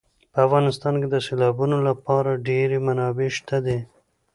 په افغانستان کې د سیلابونو لپاره ډېرې منابع شته دي.